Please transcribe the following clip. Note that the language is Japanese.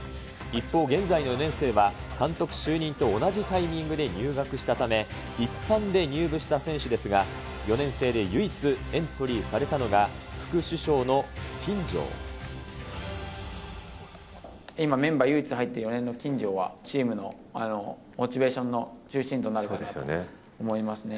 一方、現在の４年生は、監督就任と同じタイミングで入学したため、一般で入部した選手ですが、４年生で唯一、エントリーされたのが、今、メンバーに唯一入ってる４年の金城は、チームのモチベーションの中心となるかと思いますね。